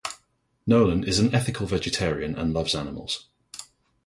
Nolan is an ethical vegetarian and loves animals.